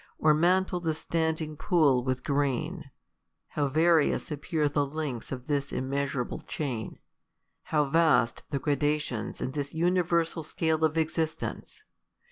or mantle the standing pool with green ; how varioMS appear 172 THE COLUMBIAN ORATOR. appear the links of this immeasurable chain ! how vast the gradations ia this universal scale of existence